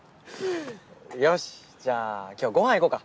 よしじゃあ今日ごはん行こうか。